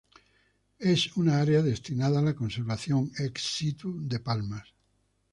Es una área destinada a la conservación ex situ de palmas.